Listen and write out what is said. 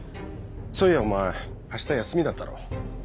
そういやお前明日休みだったろ？